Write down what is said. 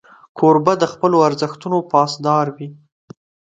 کوربه د خپلو ارزښتونو پاسدار وي.